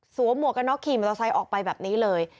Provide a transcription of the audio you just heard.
หมวกกันน็อกขี่มอเตอร์ไซค์ออกไปแบบนี้เลย